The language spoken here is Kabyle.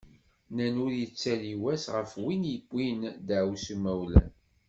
Nnan ur yettali wass, ɣef win yewwin daεwessu imawlan.